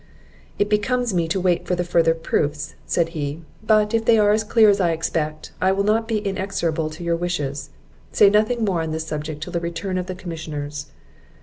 "It becomes me to wait for the further proofs," said he; "but, if they are as clear as I expect, I will not be inexorable to your wishes; Say nothing more on this subject till the return of the commissioners."